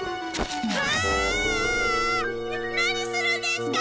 何するんですか！